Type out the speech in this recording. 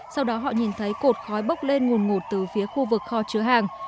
sau đó họ nhìn thấy cột khói bốc lên nguồn ngột từ phía khu vực kho chứa hàng